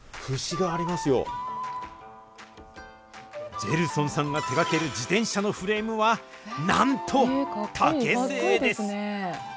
ジェルソンさんが手がける自転車のフレームは、なんと竹製です。